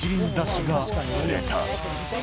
挿しが売れた。